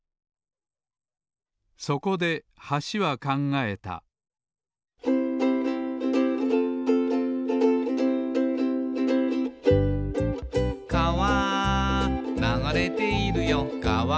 そこで橋は考えた「かわ流れているよかわ」